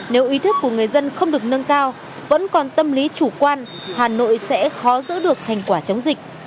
nếu ý thức của người dân không được nâng cao vẫn còn tâm lý chủ quan hà nội sẽ khó giữ được thành quả chống dịch